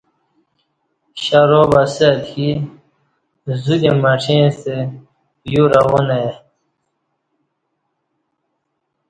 شراب اسہ اتکی زو دی مڄیں ستہ یو روان ای